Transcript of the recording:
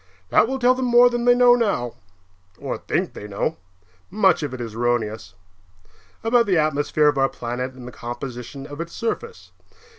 That will tell them more than they know now (or think they know; much of it is erroneous) about the atmosphere of our planet and the composition of its surface.